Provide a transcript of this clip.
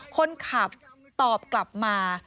คนขับตอบกลับมา